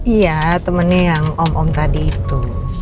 iya temennya yang om om tadi itu